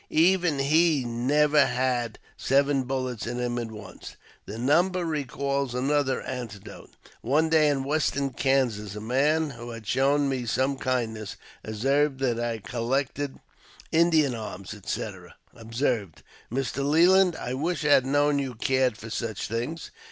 Even he never had seven bullets in him at once. This number recalls another anecdote. One day in Western Kansas, a man who bad shown me some kindness, observing that I collected Indian arms, &c., observed —>" Mr. Leland, I wish I had known you cared for such things.